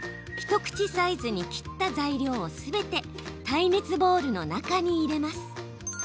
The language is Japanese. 一口サイズに切った材料をすべて耐熱ボウルの中に入れます。